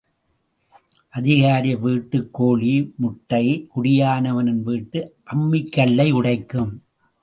அதிகாரி வீட்டுக் கோழி முட்டை குடியானவன் வீட்டு அம்மிக் கல்லை உடைக்கும்.